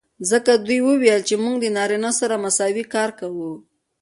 ځکه دوي وويل چې موږ د نارينه سره مساوي کار کو.